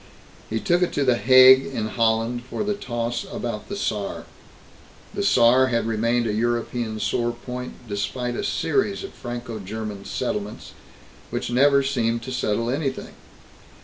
He took it to The Hague in Holland for the toss about the Saar. The Saar had remained a European sore point despite a series of Franco German "settlements" which never seemed to settle anything.